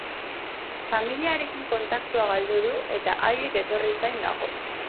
Familiarekin kontaktua galdu du eta haiek etorri zain dago.